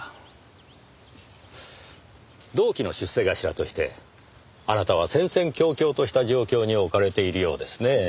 同期の出世頭としてあなたは戦々恐々とした状況に置かれているようですねぇ。